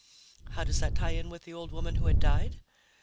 How does that tie in with the old woman who had died?